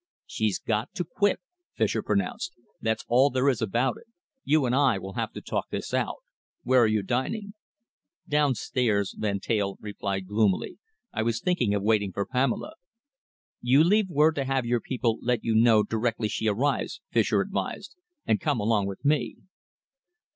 "She's got to quit," Fischer pronounced. "That's all there is about it. You and I will have to talk this out. Where are you dining?" "Downstairs," Van Teyl replied gloomily. "I was thinking of waiting for Pamela." "You leave word to have your people let you know directly she arrives," Fischer advised, "and come along with me."